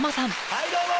はいどうも！